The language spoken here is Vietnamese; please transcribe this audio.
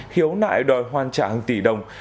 khiếu nại đòi hoàn trả hàng tỷ đồng